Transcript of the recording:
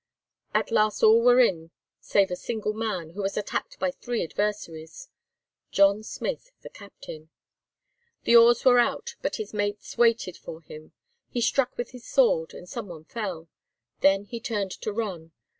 At last all were in save a single man, who was attacked by three adversaries—John Smith, the captain. The oars were out, but his mates waited for him. He struck with his sword, and some one fell. Then he turned to run.